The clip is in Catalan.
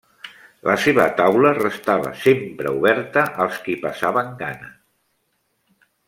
La seva taula restava sempre oberta als qui passaven gana.